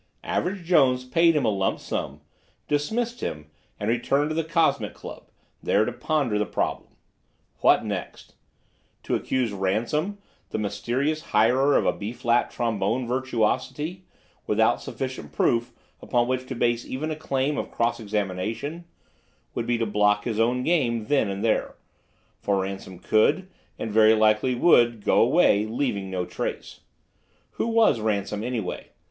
Average Jones paid him a lump sum, dismissed him and returned to the Cosmic Club, there to ponder the problem. What next? To accuse Ransom, the mysterious hirer of a B flat trombone virtuosity, without sufficient proof upon which to base even a claim of cross examination, would be to block his own game then and there, for Ransom could, and very likely would, go away, leaving no trace. Who was Ransom, anyway?